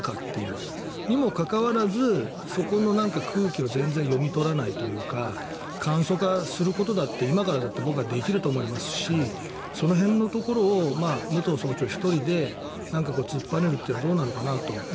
にもかかわらず、そこの空気を全然読み取らないというか簡素化することだって今からだって僕はできると思いますしその辺のところを武藤総長１人で突っぱねるのはどうなのかなと。